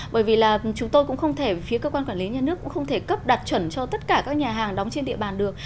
bởi vì là chúng tôi cũng không thể phía cơ quan quản lý nhà nước cũng không thể cấp đạt chuẩn cho tất cả các nhà hàng đóng trên địa bàn được